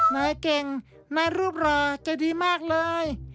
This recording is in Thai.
นายเก่งนายรูปหล่อใจดีมากเลย